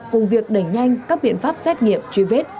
cùng việc đẩy nhanh các biện pháp xét nghiệm truy vết